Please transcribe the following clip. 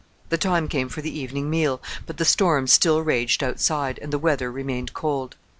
The time came for the evening meal; but the storm still raged outside and the weather remained cold.